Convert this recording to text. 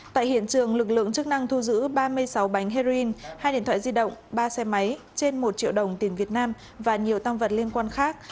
tại hiện trường lực lượng chức năng thu giữ ba mươi sáu bánh heroin hai điện thoại di động ba xe máy trên một triệu đồng tiền việt nam và nhiều tăng vật liên quan khác